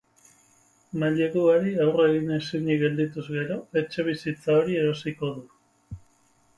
Maileguari aurre egin ezinik geldituz gero, etxebizitza hori erosiko du.